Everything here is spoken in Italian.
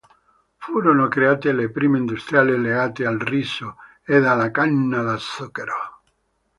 Furono create le prime industrie legate al riso ed alla canna da zucchero.